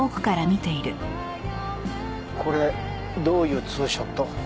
これどういうツーショット？